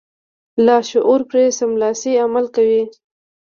لاشعور پرې سملاسي عمل کوي.